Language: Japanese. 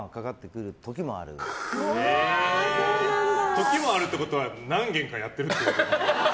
時もあるってことは何件かやってるってことだ。